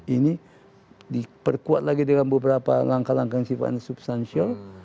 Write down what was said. ini diperkuat lagi dengan beberapa langkah langkah yang sifatnya substansial